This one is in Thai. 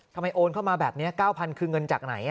ทำไมโอนเข้ามาแบบนี้๙๐๐๐บาทคือเงินจากไหน